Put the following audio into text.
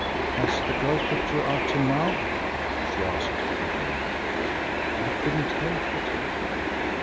"Has that girl kept you out till now?" she asked reprovingly. "I couldn't help it," he replied.